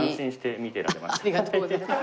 ありがとうございます。